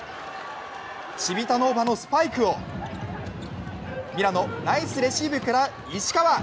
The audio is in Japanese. チヴィタノーヴァのスパイクをミラノ、ナイスレシーブから石川！